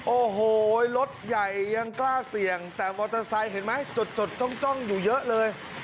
โอ้โหรถใหญ่ยังกล้าเสี่ยงแต่มอเตอร์ไซค์เห็นไหมจดจ้องอยู่เยอะเลย